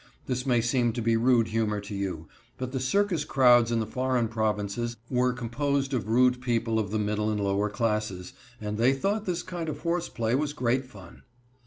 This may seem to be rude humor to you, but the circus crowds in the foreign provinces were composed of rude people of the middle and lower classes, and they thought this kind of horse play was great fun.